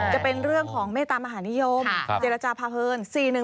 จะเป็นเรื่องของเมตตามหานิยมเจรจาพาเพลิน๔๑